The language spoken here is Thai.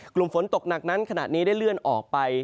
กลุ่มฝนตกหนักนั้นขณะนี้ได้เลื่อนออกไป